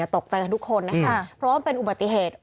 ตกใจกันทุกคนนะคะเพราะว่ามันเป็นอุบัติเหตุ